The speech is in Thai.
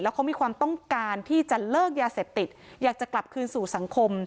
เขามีความต้องการที่จะเลิกยาเสพติดอยากจะกลับคืนสู่สังคม